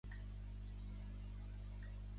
Li van posar el malnom "Murzynek".